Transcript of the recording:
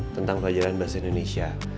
tentang pelajaran bahasa indonesia